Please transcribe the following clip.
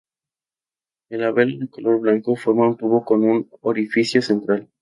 El labelo de color blanco forma un tubo con un orificio central.